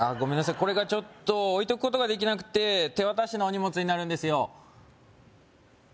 これがちょっと置いとくことができなくて手渡しのお荷物になるんですよ